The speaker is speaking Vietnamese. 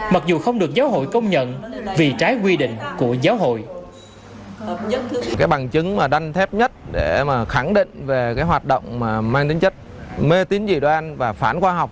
mặc dù không được giáo hội công nhận vì trái quy định của giáo hội